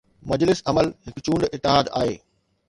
مجلس عمل هڪ چونڊ اتحاد آهي.